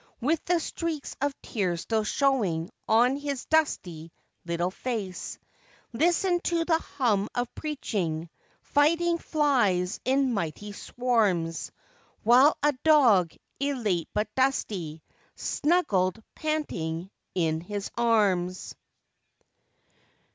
With the streaks of tears still showing on his dusty little face Listened to the hum of preaching, fighting flies in mighty swarms. While a dog, elate but dusty, snuggled, panting, in his arms.